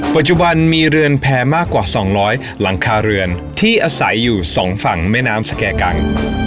ปัจจุบันมีเรือนแพร่มากกว่า๒๐๐หลังคาเรือนที่อาศัยอยู่สองฝั่งแม่น้ำสแก่กัง